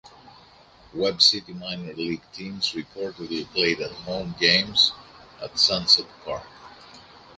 Webb City minor league teams reportedly played at home games at Sunset Park.